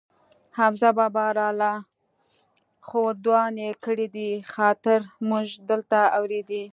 حمزه بابا را له ښودانې کړی دي، خاطر مونږ دلته اورېدی.